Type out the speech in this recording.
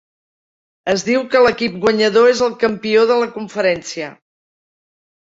Es diu que l'equip guanyador es el campió de la conferència.